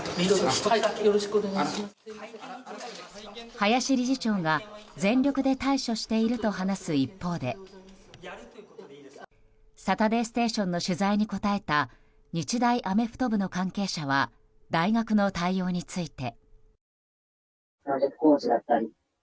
林理事長が全力で対処していると話す一方で「サタデーステーション」の取材に答えた日大アメフト部の関係者は大学の対応について。